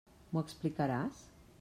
M'ho explicaràs?